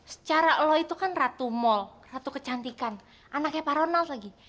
secara lo itu kan ratu mall ratu kecantikan anaknya pak ronald lagi